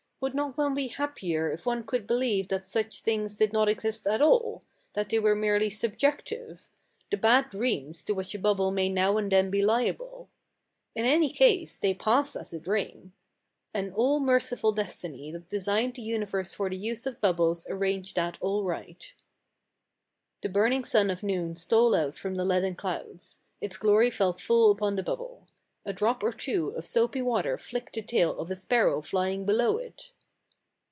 Would not one be happier if one could believe that such things did not exist at all, that they were merely subjective the bad dreams to which a bubble may now and then be liable? In any case they pass as a dream. An all merciful destiny that designed the universe for the use of bubbles arranged that all right." The burning sun of noon stole out from the leaden clouds. Its glory fell full upon the bubble. A drop or two of soapy water flicked the tail of a sparrow flying below it.